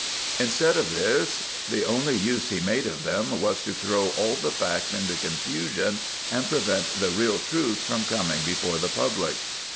Instead of tins, the only use he made of them was to throw all the facts into confusion, and prevent the real truth from coming before the public.